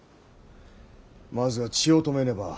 まずは血を止めねば。